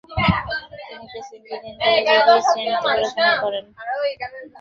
তিনি প্রেসিডেন্সি কলেজে বিএ শ্রেণীতে পড়াশোনা করেন।